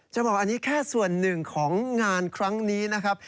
จะบอกอันนี้แค่ส่วนหนึ่งของงานครั้งนี้นะครับ